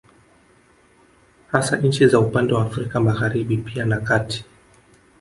Hasa nchi za upande wa Afrika Magharibi pia na kati